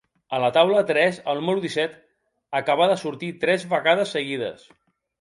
A la taula tres el número disset acaba de sortir tres vegades seguides.